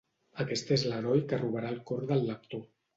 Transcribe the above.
Aquest és l’heroi que robarà el cor del lector.